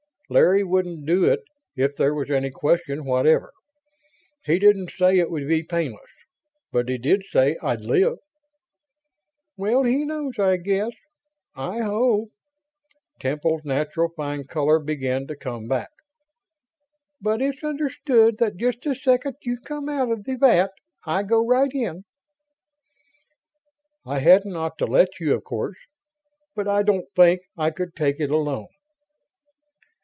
"Larry wouldn't do it if there was any question whatever. He didn't say it would be painless. But he did say I'd live." "Well, he knows, I guess ... I hope." Temple's natural fine color began to come back. "But it's understood that just the second you come out of the vat, I go right in." "I hadn't ought to let you, of course. But I don't think I could take it alone."